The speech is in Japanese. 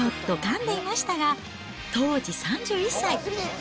ちょっとかんでいましたが、当時３１歳。